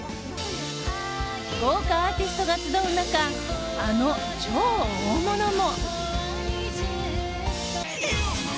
豪華アーティストが集う中あの超大物も。